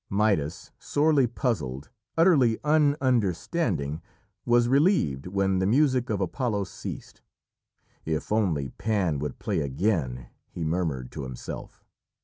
Midas, sorely puzzled, utterly un understanding, was relieved when the music of Apollo ceased. "If only Pan would play again," he murmured to himself.